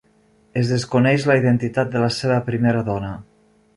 Es desconeix la identitat de la seva primera dona.